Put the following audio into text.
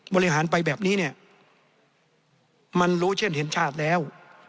บริหารไปแบบนี้เนี่ยมันรู้เช่นเห็นชาติแล้ว